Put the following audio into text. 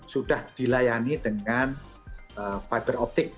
sudah dilayani dengan fiber optik